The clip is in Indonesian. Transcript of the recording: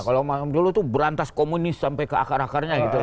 kalau dulu itu berantas komunis sampai ke akar akarnya gitu